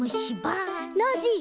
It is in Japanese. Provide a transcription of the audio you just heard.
ノージー。